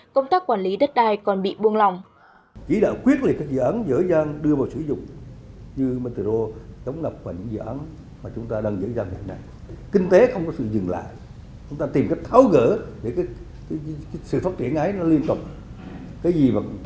công tác quản lý đất đai còn bị buông lòng